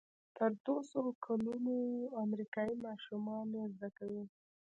تر دوهسوه کلونو امریکایي ماشومان یې زده کوي.